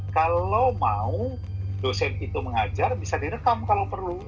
kalau mau dosen itu mengajar bisa direkam kalau perlu